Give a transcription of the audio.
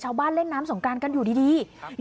ชาวบ้านเล่นน้ำสงกรานกันอยู่ดี